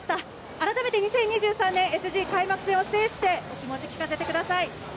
改めて２０２３年ＳＧ開幕戦を制してお気持ち、聞かせてください。